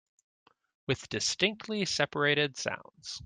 With distinctly separated sounds.